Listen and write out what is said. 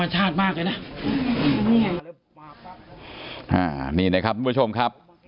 เบาเบาขนทุกค้า